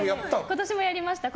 今年もやりました。